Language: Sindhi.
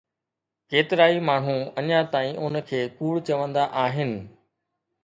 ڪيترائي ماڻهو اڃا تائين ان کي ڪوڙ چوندا آهن